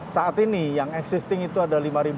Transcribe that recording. saat ini yang existing itu adalah